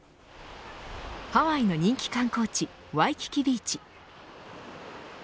ハワイの人気観光地ワイキキビーチ。